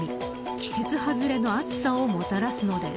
季節外れの暑さをもたらすのです。